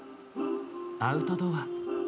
アウトドア。